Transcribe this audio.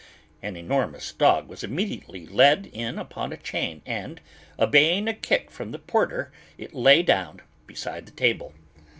An enormous dog was immediately led in upon a chain and, obeying a kick from the porter, it lay down beside the table.